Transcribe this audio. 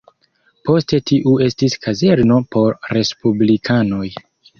Poste tiu estis kazerno por respublikanoj.